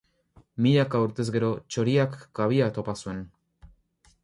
Milaka urtez gero, txoriak kabia topa zuen.